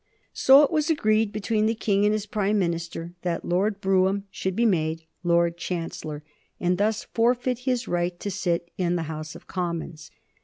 So it was agreed between the King and his Prime Minister that Lord Brougham should be made Lord Chancellor, and thus forfeit his right to sit in the House of Commons.